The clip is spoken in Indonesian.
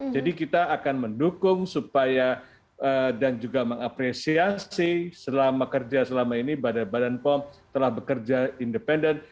jadi kita akan mendukung dan juga mengapresiasi selama kerja selama ini badan pom telah bekerja independen